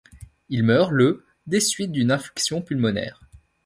Il meurt le des suites d'une infection pulmonaire.